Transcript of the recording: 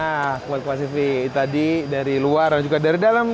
nah sobat tempat cv tadi dari luar dan juga dari dalam